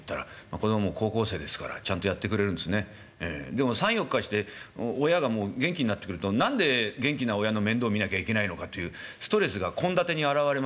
でも３４日して親がもう元気になってくると何で元気な親の面倒を見なきゃいけないのかというストレスが献立に表れますね。